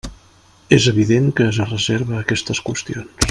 És evident que es reserva aquestes qüestions.